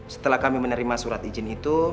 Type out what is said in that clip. setelah kami menerima surat izin itu